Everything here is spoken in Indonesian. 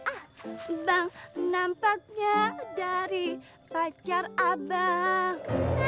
abang nampaknya dari pacar abang